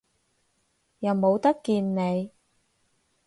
又冇得見你